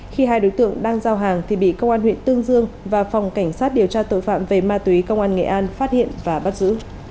khi hai đối tượng đang giao hàng thì bị công an huyện tương dương và phòng cảnh sát điều tra tội phạm về ma túy công an nghệ an phát hiện và bắt giữ